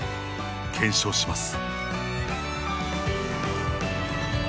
検証します。